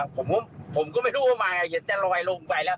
ผมก็ไม่รู้ว่ามายังไงเย็นแต่ลอยลงไปแล้ว